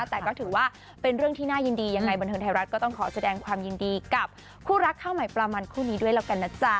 แต่ก็ถือว่าเป็นเรื่องที่น่ายินดียังไงบันเทิงไทยรัฐก็ต้องขอแสดงความยินดีกับคู่รักข้าวใหม่ปลามันคู่นี้ด้วยแล้วกันนะจ๊ะ